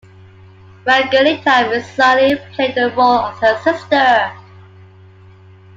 Margherita Missoni played the role of her sister.